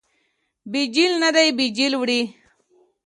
بیجل نه ده، بیجل وړي.